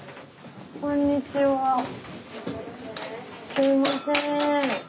すいません。